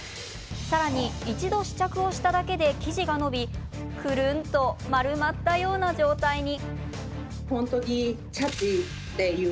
さらに一度、試着をしただけで生地が伸びくるんと丸まったような状態に。